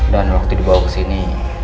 dan waktu dibawa ke sini